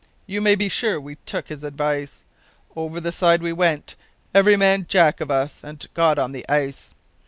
You may be sure we took his advice. Over the side we went, every man Jack of us, and got on the ice.